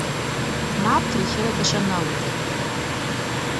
Nɛeṭṭel kra bac ad naweḍ.